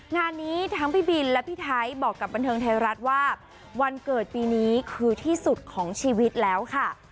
งานนี้ทั้งพี่บินและพี่ไทยบอกกับบันเทิงไทยรัฐว่าวันเกิดปีนี้คือที่สุดของชีวิตแล้วค่ะ